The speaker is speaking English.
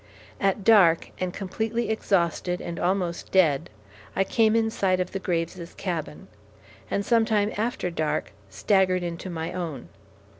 At dark, and completely exhausted, and almost dead, I came in sight of the Graves's cabin, and sometime after dark staggered into my own.